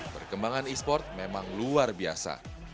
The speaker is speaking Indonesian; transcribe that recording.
perkembangan e sport memang luar biasa